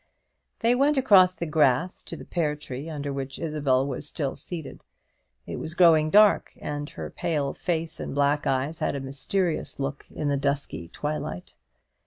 They went across the grass to the pear tree, under which Isabel was still seated. It was growing dark, and her pale face and black eyes had a mysterious look in the dusky twilight.